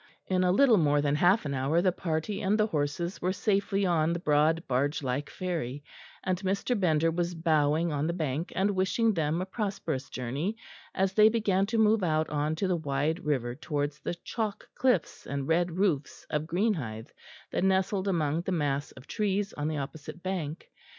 In a little more than half an hour the party and the horses were safely on the broad bargelike ferry, and Mr. Bender was bowing on the bank and wishing them a prosperous journey, as they began to move out on to the wide river towards the chalk cliffs and red roofs of Greenhithe that nestled among the mass of trees on the opposite bank.